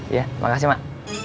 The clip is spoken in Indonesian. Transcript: iya makasih mak